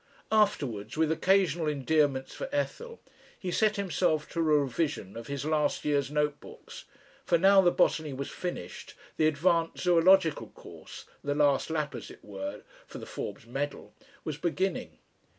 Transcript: Afterwards, with occasional endearments for Ethel, he set himself to a revision of his last year's note books, for now the botany was finished, the advanced zoological course the last lap, as it were, for the Forbes medal was beginning.